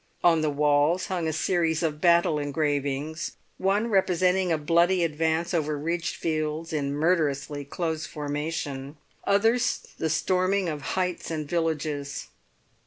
On the walls hung a series of battle engravings, one representing a bloody advance over ridged fields in murderously close formation, others the storming of heights and villages.